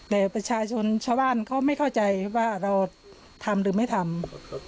แต่ประชาชนชาวบ้านเขาไม่เข้าใจว่าเราทำหรือไม่ทำ